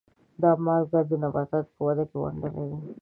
دا مالګه د نباتاتو په وده کې ونډه لري.